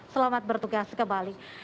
selamat bertugas kembali